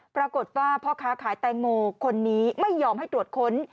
ปรากฏว่าพ่อค้าขายแตงโมคนนี้ไม่ยอมให้ตรวจค้น